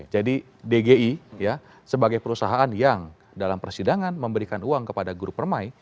jadi dgi sebagai perusahaan yang dalam persidangan memberikan uang kepada grup permai